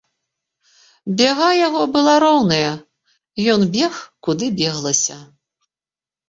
Бяга яго была роўная, ён бег куды беглася.